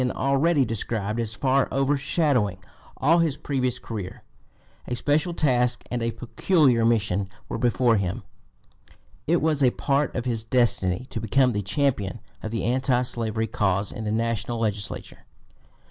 243) already described as far overshadowing all his previous career. A special task and a peculiar mission were before him. It was a part of his destiny to become the champion of the anti slavery cause in the national legislature.